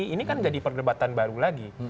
ini kan jadi perdebatan baru lagi